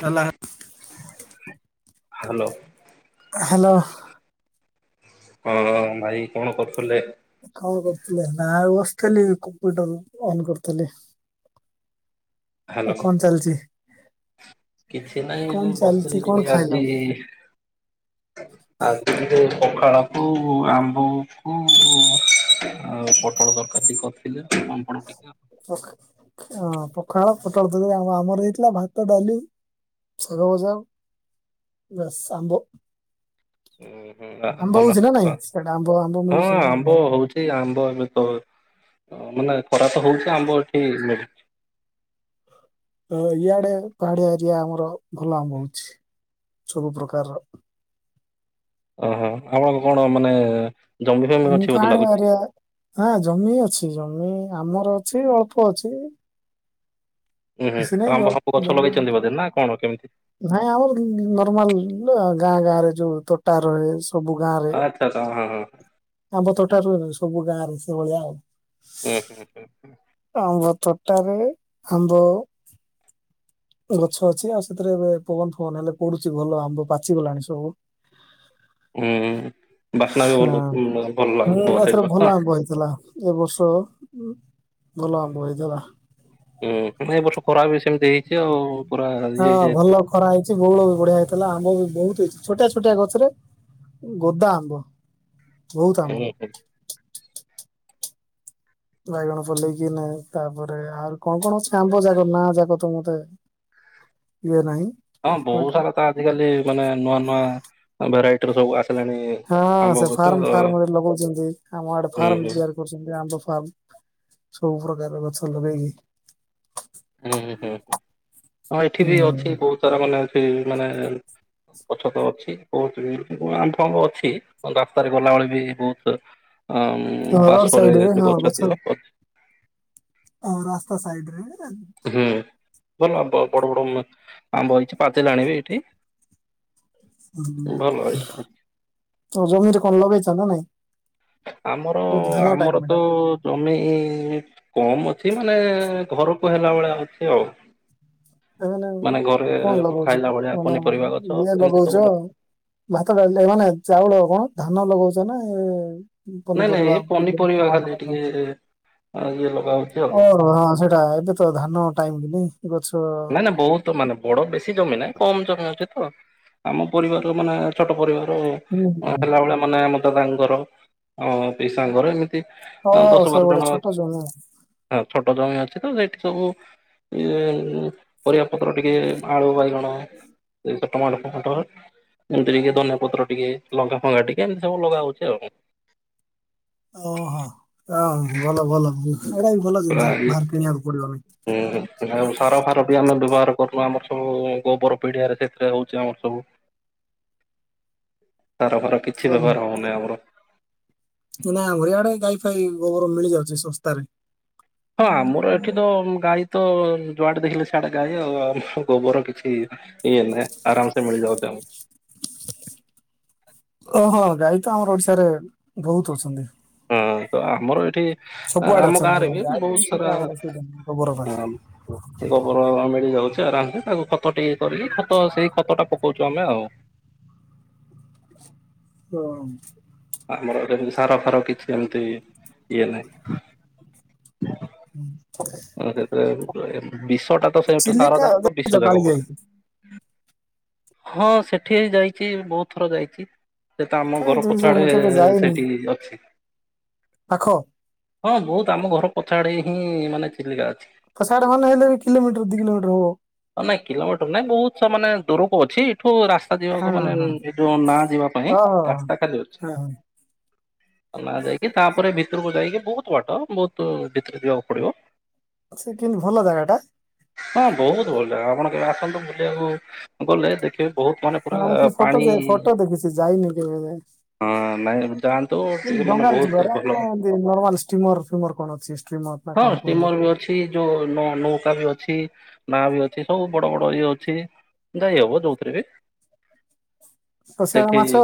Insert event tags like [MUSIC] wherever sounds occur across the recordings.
ହେଲା hello. Hello. [UNINTELLIGIBLE] ଭାଇ କଣ କରୁଥିଲେ? କଣ କରୁଥିଲେ ନା ବସିଥିଲି କମ୍ପ୍ୟୁଟର ଅନ୍ କରୁଥିଲି। ହ୍ୟାଲୋ? ଏ କଣ ଚାଲିଛି? କିଛି ନାହିଁ କଣ ମୁଁ ଚାଲିଛି ବସିଥିଲି କଣ ଟିକେ ଖାଇଲ ଆଜି ଆଜି ଟିକେ ପଖାଳ କୁ ଆମ୍ବ କୁ ଆଉ ପୋ ଫଳ ତରକାର ଟିକ କରିଥିଲେ ଆ ପାମ୍ପଡ ଟିକେ। ପଖା ପଖାଳ ପୋଟଳ ଦ ଆମର ହେଇଥିଲା ଭାତ ଡାଲି ସରବଜା ବେସ୍ ଆମ୍ବ। ଉ ହ ଆମ୍ବ ଭଲ ହଉଛି ନା ନାଇଁ ସେଆଡେ ଆମ୍ବ ଆମ୍ବ ମିଳୁଛି ହଁ ନା ନାଇଁ ଆମ୍ବ ଭଲ ହଉଛି ଆମ୍ବ ଏବେ ତ ଓ ମାନେ ଖରା ତ ହଉଛି ଆମ୍ବ ଏଠି ମିଳେ। ଇଆଡେ ପାହାଡିଆ ଏରିଆ ଆମର ଭଲ ଆମ୍ଭ ହଉଛି ସବୁ ପ୍ରକାରର। ଓହୋ ଆପଣଙ୍କ କଣ ମାନେ ଜମି ଫମି ମୁଁ ଅଛି ବୋଧେ ପାହାଡିଆ ଲାଗୁଛି। ଏରିଆ ହଁ ଜମି ଅଛି ଜମି ଆମର ଅଛି ଅଳ୍ପ ଅଛି। ଉୁଁ ହୁଁ ବେଶୀ ନାହିଁ ଆମ୍ବ ଜ- ସବୁ ଗଛ ଜମି ଲଗେଇଛନ୍ତି ଅଳ୍ପ ବୋଧେ ନା କଣ କେମିତି? ନାଇଁ ଆମର ନର୍ମାଲ ଗାଁ ଗାଁ ରେ ଯୋଉ ତୋଟା ରହେ। ସବୁ ଗାଁରେ ଆଚ୍ଛା ଆଚ୍ଛା ହଁ ହଁ ଆମ୍ୱ ତୋଟା ରୁହେନି ସବୁ ଗାଁ ରେ ସେଭଳିଆ ଆଉ। ହୁଁ ହୁଁ। ଆମ୍ବ ତୋଟା ରେ ଆମ୍ବ ଗଛ ଅଛି ଆଉ ସେଥିରେ ଏ ପବନ ଫବନ ହେଲେ ପଡୁଛି ଭଲ ଆମ୍ବ ପାଚିଗଲାଣି ସବୁ। ଉ ହୁଁ ବାସ୍ନା ବି ହଁ ଭଲ ଭଲ ଲାଗୁଥିବ ସେଇ ପାଖ। କହିଥିଲା [UNINTELLIGIBLE] ଏ ବର୍ଷ ଭଲ ଆମ୍ବ ହେଇଥିଲା। ହୁଁ ହୁଁ ଏ ବର୍ଷ ଖରା ବି ସେମିତି ହେଇଛି ଆଉ। ପୁରା ହଁ ଇଏ ହେଇଯାଇଥିବ। ଭଲ ଖରା ହେଇଛି ବଉଳ ବି ବଢିଆ ହେଇଥିଲା ଆମ୍ବ ବି ବହୁତ ହେଇଛି ଛୋଟିଆ ଛୋଟିଆ ଗଛରେ ଗୋଦା ଆମ୍ବ। ବହୁତ ହୁଁ ଆମ୍ବ। ହୁଁ ବାଇଗଣ ପଲେଇକି ନ ତାପରେ ଆଉ କଣ କଣ ଅଛି ଆମ୍ବ ଯାକ ନାଁ ଯାକ ତ ମତେ ଇଏ ନାଇ। ହଁ ବହୁତ ସାରା ତ ଆଜିିକାଲି ମାନେ ନୂଆ ନୂଆ ଭେରାଇଟିର ସବୁ ଆସିଲାଣି। ହଁ ଆମ୍ବ ସେ ଗଛ ଫାର୍ମ ହୁଁ ଫାର୍ମ ରେ ଲଗଉଛନ୍ତି, ଆମ ଆଡେ ହୁଁ ଫାର୍ମ ହୁଁ ତିଆରି କରୁଛନ୍ତି ଆମ୍ୱ ଫାର୍ମ ସବୁ ପ୍ରକାର ଗଛ ଲଗେଇକି। ହୁଁ ହୁଁ ହୁଁ ଏଠି ବି ଅଛି ବହୁତ ସାରା ମାନେ ଅଛି, ମାନେ ଗଛ ତ ଅଛି ବହୁତ ଆମ୍ୱ ଫାମ୍ବ ଅଛି ରାସ୍ତାରେ ଗଲାବେଳେ ବି ବହୁତ ଆମ୍ ହ ରୋଡ ସାଇଡରେ ହଁ ଗଛ ଆଉ ରାସ୍ତା ସାଇଡରେ ହୁଁ ଭଲ ଆମ୍ବ ବଡ ବଡ ଆମ୍ବ ହେଇଛି ପାଚିଲାଣି ବି ଏଠି। ଭଲ ଏଠି। ଜମିରେ କଣ ଲଗେଇଛ ନା ନାଇଁ? ଆମର ଏଇତ ଧାନ ଟାଇମ ଆମର ଏଟା ତ ଜମି କମ ଅଛି ମାନେ ଘରକୁ ହେଲା ଭଳିଆ ଅଛି ଆଉ। ଏମାନେ ମାନେ ଘରେ କଣ ଲଗାଉଛ ଖାଇଲା ଭଳିଆ ମାନେ ପନିପରିବା ଗଛ ଇଏ ଏମିତି ସବୁ ଲ ଲଗାଉଛ ଭାତ ଡାଲି ଆଉକଣ ଚାଉଳ କଣ ଧାନ ଲଗଉଛ ନା ଆଉ? ନାଇଁ ନାଇଁ ଏ ପନିପରିବା ଖାଲି ଟିକେ ଇଏ ଲଗା ହଉଛି। ଆଉ। ଓ ହୋ ହଁ ସେଇଟା ଏବେ ତ ଧାନ ଟାଇମ କି ନାଇ ଗଛ ନା ନା ବହୁତ ତ ମାନେ ବଡ ବେଶୀ ଜମି ନାହିଁ କମ ଜମି ଅଛି ତ ଆମ ପରିବାର ମାନେ ଛୋଟ ପରିବାର। ହୁଁ ହୁଁ ଉ ହେଲାବେଳେ ମାନେ ଆମ ଦାଦାଙ୍କର ପିସାଙ୍କର ଏମି ଆମ୍ ହଁ ଦଶ ବାର ସେଇଭଳିଆ ଜଣ ଛୋଟ ଜମି ହଁ ଛୋଟ ଜମି ଅଛି ତ ସେଇଠି ସବୁ ଏ ପରିବା ପତ୍ର ଟିକେ ଆଳୁ ବାଇଗଣ ଏ ଟମାଟୋ ଫମାଟ ଏମିତି ଟିକେ ଧନିଆ ପତ୍ର ଟିକେ ଲଙ୍ଗା ଫଙ୍ଗା ଟିକେ ଏମିତି ସବୁ ଲଗା ହାଉଛି ଆଉ। ଓହୋ ହ ଭଲ ଭଲ ଏଇଟା ବି ଭଲ ପୁରା ଜିନିଷ ଇଏ ବାହାର କିଣିବାକୁ ପଡିବନି। ହୁଁ ଆଉ ସାର ଫାର ବି ଆମେ ବ୍ୟବହାର କରୁନୁ, ଆମର ସବୁ ଗୋବର ପିଡିଆରେ ସେଥିରେ ହଉଛି ଆମର ସବୁ। ତରବର। [UNINTELLIGIBLE] ନା ଆମରିଆଡେ ଗାଈ ଫାଇ ଗୋବର ମିଳିଯାଉଛି ଶସ୍ତାରେ। ହଁ ଆମର ଏଠି ତ ଗାଈ ତ ଯୁଆଡେ ଦେଖିଲେ ସିଆଡେ ଗାଈ ଆଉ ଆମ ଗୋବର କିଛି ଏଇନା ଆରାମ ସେ ମିଳିଯାଉଛି ଆମକୁ। ଓହଁ ଗାଈ ତ ଆମର ଓଡିଶାରେ ବହୁତ ଅଛନ୍ତି। ହଁ ତ ଆମର ଏଠି। ସବୁଆଡେ ଆମ ଅଛନ୍ତି ଗାଁରେ ବି ଗାଈ ବହୁତ ସେଟା ସାରା ଆମର ଅସୁବିଧା ନାହିଁ ଗୋବର ପାଇଁ। ହ ଗୋବର ମିଳି ଯାଉଛି ଆରାମ ସେ ତାକୁ ଖତ ଟିକେ କରିକି ଖତ ସେଇ ଖତ ଟା ପକଉଛୁ ଆମେ ଆଉ। କମ୍ ଆମର ଏମି଼ନ୍ତି ସାର ଫାର କିଛି ଏମିତି ଇଏ ନାହିଁ। ହୁଁ। ସେ ବିଶଟା ତ ସେଠୁ ସାରା ଚିଲିକା ଜାକ ତ ବିଶ୍ କାଳି ଜାକ ଯାଇ ପୁରା। ହଁ ସେଠି ଯାଇଛି ବହୁତ ଥର ଯାଇଛି। ସେ ତ ଆମ କାଇଁ ଘର ତୁ ପଛ ସେ ମୁଁ ଆଡେ କେବେ ଯାଇନି ସେଠି ଅଛି। ପାଖ। ହଁ ବହୁତ ଆମ ଘର ପଛ ଆଡେ ହିଁ ମାନେ ଚିଲିକା ଅଛି। ତ ସିଆଡୁ [UNINTELLIGIBLE] ହେଲେ କିଲମିଟର ଦି କିଲୋମିଟର ହବ। ହ ନାଇଁ କିଲୋମିଟର ନାଇଁ ବହୁତ ମାନେ ଦୂରକୁ ଅଛି ଏଠୁ ରାସ୍ ରାତା ହଁ ଯିବାକୁ ହଁ ମାନେ ଏ ଯୋଉ ନା ଯିବା ପାଇଁ ଓହୋ। ରାସ୍ତା ଖାଲି ଅଛି। ହଁ ହଁ। ନା ଯାଇକି ତାପରେ ଭିତରକୁ ଯାଇକି ବହୁତ ବାଟ ବହୁତ ଭିତରେ ଯିବାକୁ ପଡିବ ସେ କେମତି ଭଲ ଜାଗା ଟା? ହଁ ବହୁତ ଭଲ ଜାଗା ଆପଣ କେବେ ଆସନ୍ତୁ ବୁଲିବାକୁ ଗଲେ ଦେଖିବ ବହୁତ ମାନେ ମୁଁ ପୁରା ଖାଲି ଫଟୋ ପାଣି ଫଟୋ ଦେଖିଛି ଯାଇନି କେବେ। ହଁ ନାଇ ଯାଆନ୍ତୁ ଏଇ ଟିକେ ମାନେ ଡଙ୍ଗାରେ ବହୁତ ଯିବାର ନା ଭଲ ଏମିତି ନର୍ମାଲ ଷ୍ଟିମର ଫିମର କଣ ଅଛି ଷ୍ଟ୍ରିମର ନା ହଁ କଣ କୁହନ୍ତି ଟିମର ବି ଅଛି ଯୋଉନୋ ନୌକା ବି ଅଛି ନାଁ ବି ଅଛି ସବୁ ବଡ ବଡ଼ ଇଏ ଅଛି ଯାଇ ହବ ଯୋଉଥିରେ ବି ତ ସେମାନେ ସେଠି ମାଛ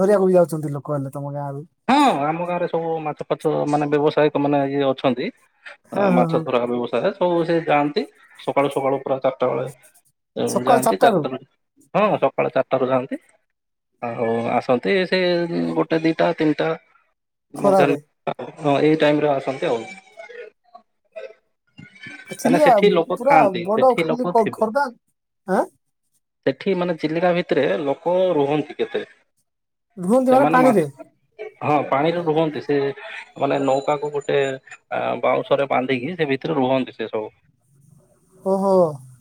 ଧରିବାକୁ ବି ଯାଉଛନ୍ତି ଲୋକ ହେଲେ ତମ ଗାଁ ରୁ ହଁ ଆମ ଗାଁ ରେ ସବୁ ମାଛ ଫାଛ ମାନେ ବ୍ୟବସାୟିକ ମାନେ ଇଏ ଅଛନ୍ତି। ହଁ ହଁ ମାଛ ହଁ ଧରା ବ୍ୟବସାୟ ସବୁ ସେ ଯାଆନ୍ତି ସକାଳୁ ସକାଳୁ ପୁରା ଚାରିଟା ବେଳେ ଯାଆନ୍ତି ଚାରିଟାରୁ ହଁ ସକାଳୁ ଚାରିଟାରୁ ଯାଆନ୍ତି ଆଉ ଆସନ୍ତି ସେ ଗୋଟେ ଦିଇଟା ତିନିଟା ଖରାରେ ମଧ୍ୟାହ୍ନ ହଁ ଏଇ ଟାଇମରେ ଆସନ୍ତି ଆଉ ଥିଲି କାହିଁକିନା ଆ ସେଠି ଲୋକ ପୁରା ଥାଆନ୍ତି ବଡ ସେଠି ଲୋକ ଖ ଥିବେ ଖର୍ଦ୍ଧାଁ ଆ ସେଠି ମାନେ ଚିଲିକା ଭିତରେ ଲୋକ ରୁହନ୍ତି କେତେ ରୁହନ୍ତି ମାନେ ସେମାନେ ପାଣିରେ ମାଛ ହଁ ପାଣିରେ ରୁହନ୍ତି ସେ ମାନେ ନୌକା କ ଗୋଟେ ଆ ବାଉଁଶରେ ବାନ୍ଧିକି ସେ ଭିତରୁକୁ ରୁହନ୍ତି। ସେ ସବୁ ଓ ହୋ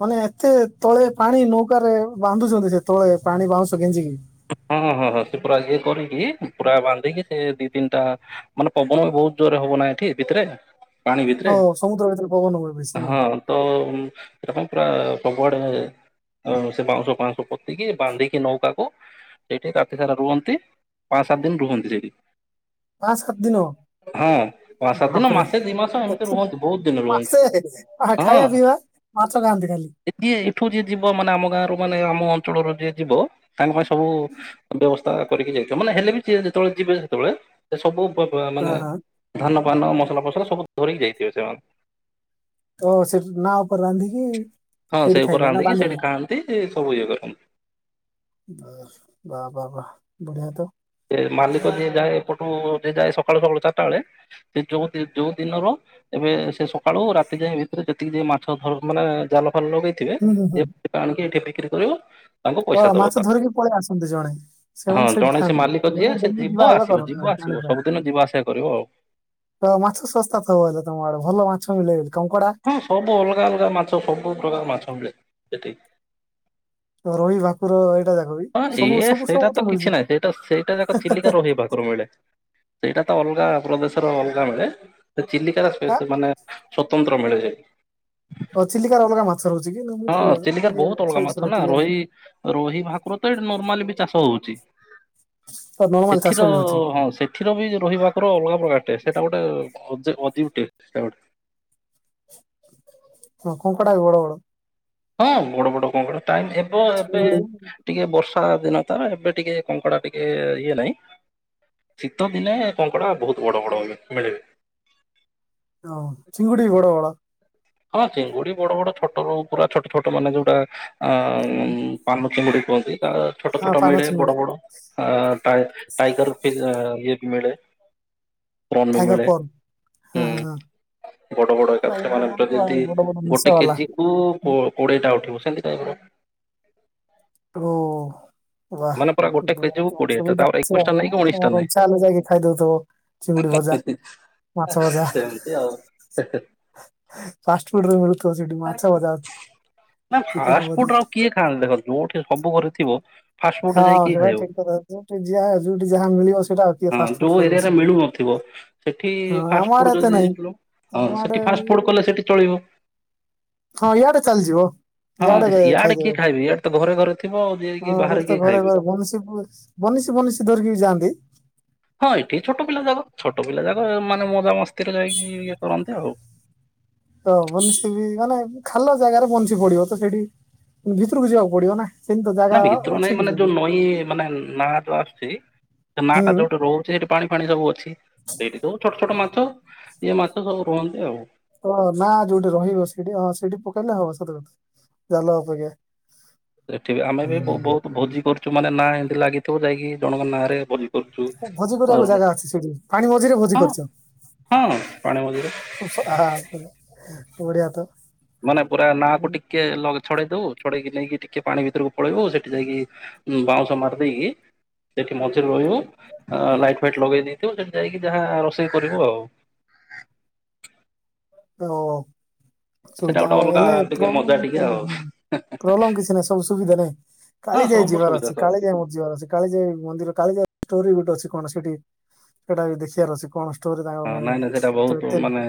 ମାନେ ଏତେ ତଳେ ପାଣି ନୌକାରେ ବାନ୍ଧୁଛନ୍ତି ସେ ତଳେ ପାଣି ବାଉଁଶ ଗେଞ୍ଜିକି ହଁ ହଁ ହଁ ସେ ପୁରା ଇଏ କରିକି ପୁରା ବାନ୍ଧିକି ସେ ଦିଇ ତିନିଟା ମାନେ ପବନ ବହୁତ ଜୋର ରେ ହବ ନା ଏଠି ମାନେ ଭିତରେ ପାଣି ଭିତରେ ହଁ ସମୁଦ୍ର ଭିତରେ ପବନ ହୁଏ ବେଶୀ ନାଇଁ ହଁ [UNINTELLIGIBLE] ଆଡେ ସେ ବାଉଁଶ ଫାଉଁଶ ପୋତିକି ବାନ୍ଧିକି ନୌକା କୁ ଏଇଠି ରାତି ସାରା ରୁହନ୍ତି। ପାଁ ସାତ୍ ଦିନ ରୁହନ୍ତି ସେଇଠି। ପାଞ୍ଚ ସାତ ଦିନ ହଁ ପା ସାତ ଦିନ ବାପରେ ମାସେ ଦି ମାସ ଏମତି ରୁହନ୍ତୁ ବହୁତ ଦିନ ମାସେ ରୁହନ୍ତ ଆ ହା ଖାଇବା ପିଇବା ମାଛ ଖାଆନ୍ତି ଖାଲି। କିଏ ଏଠୁ ଯିଏ ଯିବ ମାନେ ଆମ ଗାଁରୁ ମାନେ ଆମ ଅଞ୍ଚଳରୁ ଯିଏ ଯିବ ତାଙ୍କ ପାଇଁ ସବୁ ବ୍ୟବସ୍ଥା କରିକି ଯାଇଥିବ ନା ହେଲେ ବି ଯେ ଯେତେବେଳେ ଯିବେ ସେତେବେଳେ ସେ ସବୁ ବ ବ ହଁ ମାନେ ହଁ ଧାନ ଫାନ ମସଲା ଫସଲ ସବୁ ଧରିକି ଯାଇଥିବେ ସେମାନେ ଓ ସେଠି ନା ଉପରେ ରାନ୍ଧିକି ହଁ ସେଇଠି ସେଇ ଉପରେ ଖାଇବେ ନା ରାନ୍ଧିକି ସେଇଠି ବାଲିରେ ଖାଆନ୍ତି ସବୁ ଇଏ କରନ୍ତି। ବ ବା ବା ବାଃ ବଢ଼ିଆ ତ। ସେ ମାଲିକ ଯିଏ ଯାଏ ଏପଟୁ ଯିଏ ଯାଏ ସକାଳୁ ସକାଳୁ ଚାରିଟା ବେଳେ ସେ ଯୋଉ ଯୋଉ ଦିନର ଏବେ ସେ ସକାଳୁ ରାତି ଯାଏ ଭିତରେ ଯେତିକି ଯେ ମାଛ ଧର୍ ମାନେ ଜାଲ ଫାଲ ଲଗେଇ ଥିବେ ହୁଁ ହୁଁ ହୁଁ [UNINTELLIGIBLE] ଏଠି ବିକ୍ରି କରିବ। ତାଙ୍କୁ ହଁ ପଇସା ଦବ ମାଛ ତା ଧରିକି ପଳେଇ ଆସନ୍ତି ଜଣେ ହଁ ସେମାନେ ସେଇଠି ଜଣେ ସେ ମାଲିକ ଥାନ୍ତ ଯିଏ ଜଣେ ସେ ଡେଲି ଯିବ ଯିବା ଆଇିବା ଆସିବ କରନ୍ତି। ଯିବ ନାଇକି ଜାଣି ଆସିବ ପାଇ ସବୁଦିନ ଯିବା ଆସିବା କରିବ ଆଉ। ତ ମାଛ ଶସ୍ତା ଥବ ହେଲେ ତମ ଆଡେ ଭଲ ମାଛ ମିଳେ କଙ୍କଡା ହଁ ସବୁ ଅଲଗା ଅଲଗା ମାଛ ସବୁ ପ୍ରକାର ମାଛ ମିଳେ ଏଠି। ରୋହି ଭାକୁର ଏଇଟା ଯାକ ବି ହଁ ସବୁ ଏ ସବୁ ସେଇଟା ସବୁ ତ ମିଳୁଛି କିଛି ନାହିଁ ସେଇଟା ସେଇଟା ଯାକ ଚିଲିକା ରହି ଭାକୁର ମିଳେ। ସେଇଟା ତ ଅଲଗା ପ୍ରଦେଶର ଅଲଗା ମିଳେ। ତ ଚିଲିକା ଆ ସ୍ପେ ମାନେ ଛ ସ୍ୱତନ୍ତ୍ର ମିଳେ। ହ ଚିଲିକାର ଅଲଗା ମାଛ ରହୁଛି କି? ନା ମୁଁ ତ ହଁ ଚିଲିକା ଇଏ ବହୁତ ଅଲଗା ସେ ମାଛ ବିଷୟରେ ନା ଏତେ ଜ୍ଞାନ ନାହିଁ। ରୋହି ରୋହି ଭାକୁର ତ ଏଠି ନର୍ମାଲି ବି ଚାଷ ହଉଛି। ତ ନର୍ମାଲ ଚାଷ ସେଠିର ବି ହଉଛି ହଁ ସେ ଏଠିର ବି ରୋହି ଭାକୁର ଅଲଗା ପ୍ରକାର ଟେଷ୍ଟ ସେଇଟା ଗୋଟେ ଅ ଅଜିବ ଟେଷ୍ଟ ସେଟା ଗୋଟେ ହଁ କଙ୍କଡା ଗୋଡ ହଁ ବଡ ବଡ କଙ୍କଡା ଚିଙ୍ଗୁଡି [UNINTELLIGIBLE] ଟିକେ ବର୍ଷା ଦିନ ଟା ନା ଏବେ ଟିକେ କଙ୍କଡ଼ା ଟିକେ ଇଏ ନାହିଁ। ଶୀତ ଦିନେ କଙ୍କଡା ବହୁତ ବଡ ବଡ ହେବେ ମିଳିବେ ଓ ଚିଙ୍ଗୁଡି ବଡ ବଡ। ହଁ ଚିଙ୍ଗୁଡି ବଡ ବଡ ଛୋଟ ରହୁ ପୁରା ଛୋଟ ଛୋଟ ମାନେ ଯୋଉଟା ଆଁ ପାନ ଚିଙ୍ଗୁଡି କୁହନ୍ତି। ତା ଛୋଟ ହଁ ଛୋଟ ପାନ ମିଳେ ଚିଙ୍ଗୁଡି ବଡ ବଡ଼ ଆ ଟାଇ ଟାଇଗର ଫି ଇଏ ବି ମିଳେ। ପ୍ରନ ବି ଟାଇଗର ମିଳେ ପର୍ଲ ହଁ ହୁଁ ହଁ ହଁ ବଡ଼ ବଡ଼ ପୁରା ଇଏ ଏକାଥରେ ମାନେ ଦି କରୁଛନ୍ତି ଆଉ ଯେମିତି ବଡ ବଡ ନିଶ ଗୋଟେ ବାଲା କେଜି କୁ କୋ କୋଡିଏଟା ଉଠିବ ସେମିତି କାଇଁ ରୁ ବାଃ ମାନେ ପୁରା ଗୋଟେ କେଜି କୁ କୋଡିଏଟା ତାପରେ ଏକୋଇଶଟା ନାହିଁ କି ଉଣେଇଶଟା [UNINTELLIGIBLE] ଇଛା ହେଲେ ଯାଇକି ଖାଇଦଉଥିବ। ଚିଙ୍ଗୁଡି ଭଜା ମାଛ ଭଜା ସେମିତି ଆଉ। ଫାଷ୍ଟ ଫୁଡ ରୁ ମିଳୁଥିବ ସେଠି ମାଛା ଭଜା ନା ଚିକେନ ଫାଷ୍ଟ ଫୁଡ ଭଜ ଆଉ କିଏ ଖାଆନ୍ତିନ ଦେଖ ଯୋଉଠି ସବୁ ଘରେ ଥିବ ଫାଷ୍ଟ ଫୁଡରେ ଯାଇଁକି ହଁ କିଏ ସେଟା ଖାଇବ ଠିକ ‌। କଥା ଯୋଉଠି ଯା ଯୋଉଠି ଯାହା ମିଳିବ ସେଇଟା ଆଉ କିଏ ହଁ ଫାଷ୍ଟ ଫୁଡ ଯୋଉ କରିବ ଏରିଆରେ ସେଠି ମିଳୁନଥିବ ସେଠି ହଁ ଆମ ଫାଷ୍ଟ ଆଡେ ଫୁଡ ଏତେ ଯଦି ନାହିଁ ଆମ [UNINTELLIGIBLE] ସେଠି ଆଡେ ଫାଷ୍ଟ ଫୁଡ କଲେ ସେଠି ଚଳିବ। ହଁ ଇଆଡେ ଚାଲିଯିବ ୟାଡେ ଖାଇଦେବେ। ରେ ଥିବ ଯେ ହଁ ସେଠି ତ ଘରେ ଘରେ ବନିସ ବନିସି ଭନିସି ଧରିକି ଯାଆନ୍ତି? ହଁ ଏଠି ଛୋଟ ପିଲା ଯାକ ଛୋଟ ପିଲା ଯାଗ ମାନେ ମଜାମସ୍ତିରେ ଯାଇକି ଇଏ କରନ୍ତି ଆଉ। ତ ବଂସି ବି ମାନେ ଖାଲ ଜାଗାରେ ବଂଶୀ ପଡିବ ତ ସେଠି ଭିତରକୁ ଯିବାକୁ ପଡିବ ନା। ସେମିତି ତ ନା ଜାଗା ଭିତର ଅଛି ନାଇଁ କି ମାନେ ଯୋଉ ସେମିତି ନଈ ମାନେ ନା ଯୋଉ ଆସୁଛି ସେ ନା ଟା ହୁଁ ଯୋଉଠି ରୋହୁ ସେ ସେଠି ପାଣି ଫାଣି ସବୁ ଅଛି ସେଇଠି ସବୁ ଛୋଟ ଛୋଟ ମାଛ ଇଏ ମାଛ ସବୁ ରୁହନ୍ତି ଆଉ। ହଁ ନା ଯୋଉଠି ରହିବ ସେଇଠି ହଁ ସେଇଠି ପକେଇଲେ ହବ [UNINTELLIGIBLE] ଜାଲ ଅପେକ୍ଷା ସେଠି ବି ଆମେ ବି ହୁଁ ବ-ବହୁତ ଭୋଜି କରୁଛୁ ମାନେ ନାଁ ଏମିତି ଲାଗିଥିବ ଯାଇକି ଜଣଙ୍କ ନାଁରେ ଭୋଜି କରୁଛୁ। ଭୋଜି କରିବାକୁ ଅର- ଜାଗା ଅଛି ସେଠି ପାଣି ମଝିରେ ଭୋଜି ହଁ କରିଛ। ହଁ ପାଣି ମଝିରେ [UNINTELLIGIBLE] ଆହା ବଢିଆ ତ। ମାନେ ପୁରା ନାକୁ ଟିକେ ଛଡେଇ ଦଉ ଛଡେଇକି ନେଇକି ଟିକେ ପାଣି ଭିତରକୁ ପଳେଇବୁ ସେଠି ଯାଇକି ହୁଁ ବାଁଉଶ ମାରି ଦେଇକି ସେଠି ମଝିରେ ରହିବୁ ଅ ଲାଇଟ୍ ଫାଇଟ୍ ଲଗେଇ ଦେଇଥିବୁ ସେଠି ଯାଇକି ଯାହା ରୋଷେଇ କରିବୁ ଆଉ। ଓହୋ। ସେଇଟା ସୁବିଧା ଗୋଟେ ଆଉ ଅଲଗା ହେଲେ ଟିକେ ମଜା ଟିକେ ଆଉ ପ୍ରୋବେଲେ କିଛି ନାହିଁ, ସବୁ ସୁବିଧାରେହିଁ। ହଁ କାଳିଯାଇ ସବୁ ଯିବାର ସୁବିଧା ଅଛି ସବୁ କାଳିଯାଇ ମୋର ଯିବାର ଅଛି। କାଳିଜାଇ ମନ୍ଦିର କାଳିଜାଇ ଷ୍ଟୋରି ଗୋଟେ ଅଛି କଣ ସେଠି ସେଇଟା ବି ଦେଖିବାର ଅଛି କଣ ଷ୍ଟୋରି ତାଙ୍କର ହଁ ମାନେ ନାଇଁ ନାଇଁ ସେଇଟା ତ ବହୁତ ଏତେ ମାନେ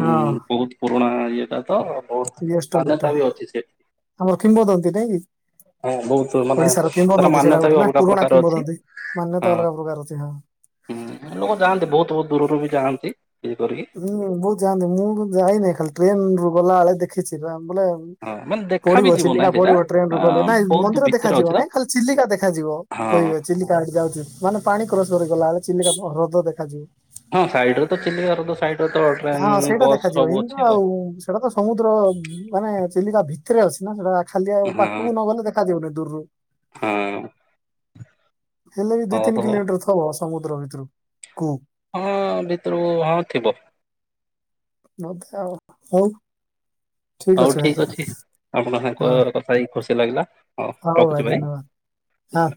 ହଁ ବହୁତ ପୁରୁଣା ଇଏଟା ତ। ବହୁତ ରିଅଲ ମାନ୍ୟତା ଷ୍ଟୋରିଟା ବି ଆମର କିମ୍ବଦନ୍ତୀ ନାଇଁକି? ହ ଆଜ୍ଞା ହୁଁ ତୁ ବହୁତ ମାନେ ତାର ସେଇଟା ମାନ୍ୟତା ଗୋଟେ ବି ନା ଅଲଗା ପୁରୁଣା ପ୍ରକାର ଅଛି କିମ୍ବଦନ୍ତୀ ମାନ୍ୟତା ହଁ। ଅଲଗା ପ୍ରକାର ଅଛି ହଁ। ହୁଁ ଲୋକ ଯାଆନ୍ତି ବହୁତ ବହୁତ ଦୂରରୁ ବି ଯାଆନ୍ତି ଇଏ କରିକି ହୁଁ ବହୁତ ଯାଆନ୍ତି ମୁଁ ଯାଇନାହିଁ ଖାଲି ଟ୍ରେନ ରୁ ଗଲା ବେଳେ ଦେଖିଛି ହଁ [UNINTELLIGIBLE] ମାନେ ଦେଖା ବି ପଡିବ ଯିବ ଚିଲିକା ନାହିଁ ସେଇଟା ପଡିବ ଟ୍ରେନ ରୁ ଗଲେ ନାଇଁ ବହୁତ ମନ୍ଦିର ଭିତରେ ଅଛି ଦେଖାଯିବ ତ ନାଇଁ ଖାଲି ଚିଲିକା ଦେଖାଯିବ ହଁ କହିବେ ଚିଲିକା ହେଟି ଯାଉଛି ମାନେ ପାଣି କ୍ରସ କରିକି ଗଲାବେଳେ ଚିଲିକା ହ୍ର ହ୍ରଦ ଦେଖାଯିବ। ହଁ ସାଇଡରେ ତ ଚିଲିକା ହ୍ରଦ ସାଇଡର ତ ଟ୍ରେନ ହଁ ସେଇଟା ବସ୍ ଦେଖାଯିବ ସବୁ ଅଛି ଇନ ଆଉ ସେଇଟା ତ ସମୁଦ୍ର ମାନେ ଚିଲିକା ଭିତରେ ଅଛି ନା ସେଇଟା ଖାଲି ଆ ହଁ ପାଖକୁ ନଗଲେ ଦେଖା ଦେଖା ଯିବନି ଦୂରରୁ ହଁ। ହେଲେ ଏଇ ଦିଇ ହଉ ତିନି ହଉ କିଲୋମିଟର ଥିବ ସମୁଦ୍ର ଭିତରୁ କୁ ହଁ ଭିତରକୁ ହଁ ଥିବ। [UNINTELLIGIBLE] ହଉ। ହଉ ଠିକ ଅଛି ଆପଣଙ୍କ ହଁ। ସାଙ୍କ କଥା ହେଇ ଖୁସି ଲାଗିଲା। ହଁ ହଉ ଭାଇ ରଖୁଛି ଧନ୍ୟବାଦ ହଁ ଭାଇ।